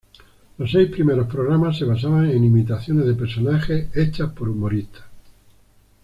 Los seis primeros programas se basaban en imitaciones de personajes hechas por humoristas.